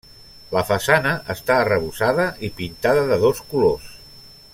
La façana està arrebossada i pintada de dos colors.